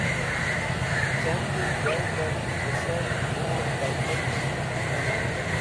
Chandi Jayver Wiserd Mur tag ne dik̃htey